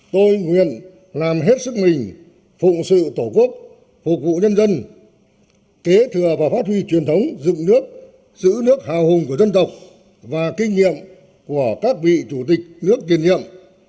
tôi nguyện làm hết sức mình phụng sự tổ quốc phục vụ nhân dân kế thừa và phát huy truyền thống dựng nước giữ nước hào hùng của dân tộc và kinh nghiệm của các vị chủ tịch nước tiền nhiệm